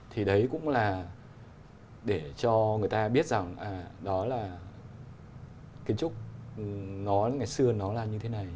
thì đấy cũng là để cho người ta biết rằng đó là kiến trúc nó ngày xưa nó là như thế này